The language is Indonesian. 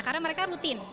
karena mereka rutin